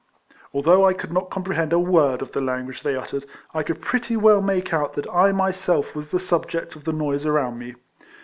Although I could not comprehend a word of the language they uttered, I could pretty well make out that I myself was the subject of the noise around me.